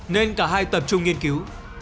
nên cả hai tập trung nghiên cứu